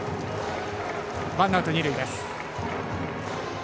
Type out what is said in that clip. ワンアウト、二塁です。